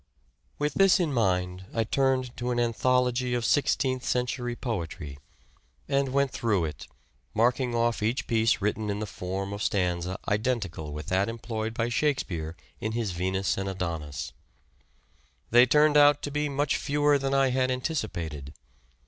With this in mind I turned to an anthology of sixteenth century poetry, and went through it, marking quest, off each piece written in the form of stanza identical with that employed by Shakespeare in his " Venus and Adonis." They turned out to be much fewer than I had anticipated.